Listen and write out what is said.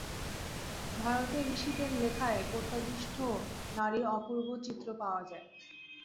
ভারতের ঋষিদের লেখায় প্রত্যাদিষ্ট নারীর অপূর্ব চিত্র পাওয়া যায়।